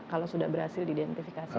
kalau sudah berhasil diidentifikasi